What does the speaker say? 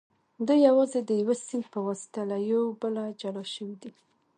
دوی یوازې د یوه سیند په واسطه له یو بله جلا شوي دي